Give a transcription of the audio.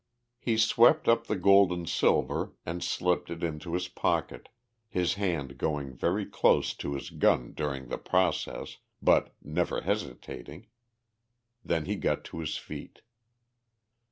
He swept up the gold and silver and slipped it into his pocket, his hand going very close to his gun during the process but never hesitating. Then he got to his feet.